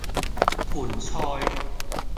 盆菜